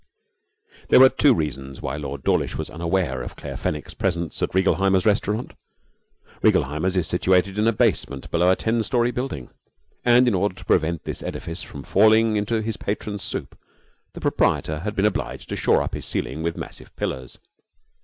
7 There were two reasons why Lord Dawlish was unaware of Claire Fenwick's presence at Reigelheimer's Restaurant: Reigelheimer's is situated in a basement below a ten storey building, and in order to prevent this edifice from falling into his patrons' soup the proprietor had been obliged to shore up his ceiling with massive pillars.